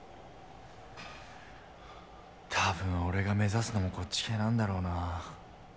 多分俺が目指すのもこっち系なんだろうなぁ。